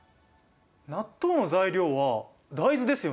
納豆の材料は大豆ですよね。